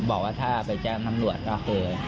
บอกว่าถ้าไปแจ้งตำรวจก็คือ